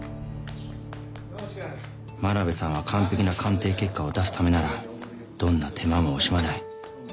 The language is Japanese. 真鍋さんは完璧な鑑定結果を出すためならどんな手間も惜しまない。